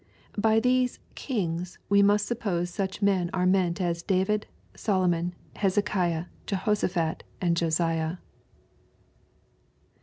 ] By these *^ kings" we must suppose such men are meant as David, Solomon, Hezekiah, Jehoshaphat^ and Josiah.